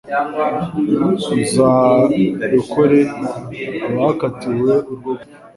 Uzarokore abakatiwe urwo gupfa